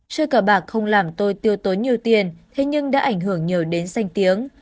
chơi cờ bạc không làm tôi tiêu tốn nhiều tiền thế nhưng đã ảnh hưởng nhiều đến danh tiếng